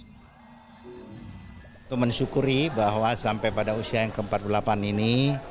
saya mensyukuri bahwa sampai pada usia yang ke empat puluh delapan ini